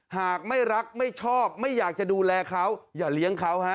หากไม่รักไม่ชอบไม่อยากจะดูแลเขาอย่าเลี้ยงเขาฮะ